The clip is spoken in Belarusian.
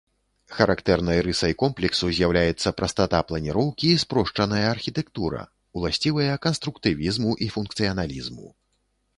Характэрнай рысай комплексу з'яўляецца прастата планіроўкі і спрошчаная архітэктура, уласцівыя канструктывізму і функцыяналізму.